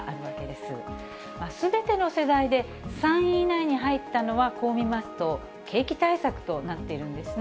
すべての世代で３位以内に入ったのは、こう見ますと、景気対策となっているんですね。